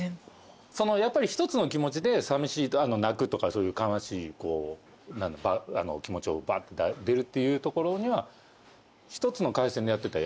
やっぱり１つの気持ちでさみしいと泣くとかそういう悲しい気持ちをバーって出るっていうところには。